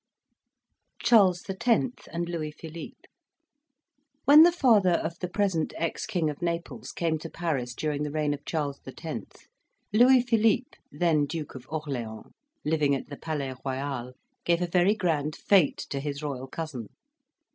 CHARLES X. AND LOUIS PHILIPPE When the father of the present ex King of Naples came to Paris during the reign of Charles X., Louis Philippe, then Duke of Orleans, living at the Palais Royal, gave a very grand fete to his royal cousin.